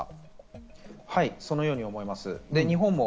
そのように思います。